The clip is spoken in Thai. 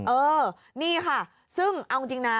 เออนี่ค่ะซึ่งเอาจริงนะ